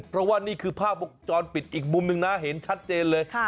เพราะว่านี่คือภาพวงจรปิดอีกมุมหนึ่งนะเห็นชัดเจนเลย